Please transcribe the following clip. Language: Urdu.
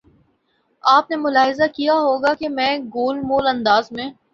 آپ نے ملاحظہ کیا ہو گا کہ میں گول مول انداز میں